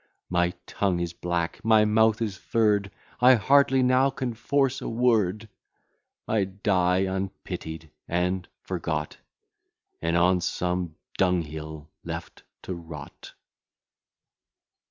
My tongue is black, my mouth is furr'd, I hardly now can force a word. I die unpitied and forgot, And on some dunghill left to rot.